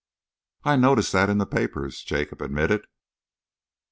"I noticed that in the papers," Jacob admitted.